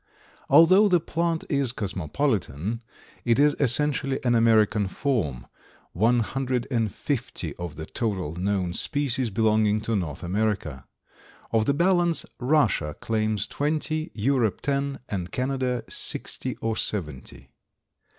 Although the plant is cosmopolitan, it is essentially an American form, one hundred and fifty of the total known species belonging to North America. Of the balance, Russia claims twenty, Europe ten and Canada sixty or seventy.